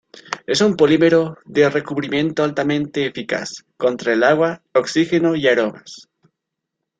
Es un polímero de recubrimiento altamente eficaz contra el agua, oxígeno y aromas.